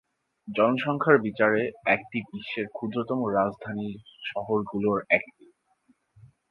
জনসংখ্যার বিচারে এটি বিশ্বের ক্ষুদ্রতম রাজধানী শহরগুলির একটি।